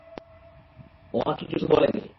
ও আমাকে কিছু বলেনি।